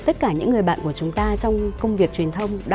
tất cả đều ghi nhận trong nước